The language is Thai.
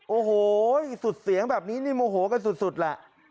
โอ้โหสุดเสียงแบบนี้นี่โมโหกันสุดแหละ